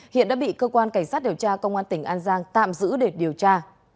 hiện đã bị cơ quan cảnh sát điều tra công an tỉnh an giang tạm giữ để điều tra